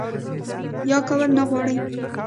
يا کول نۀ غواړي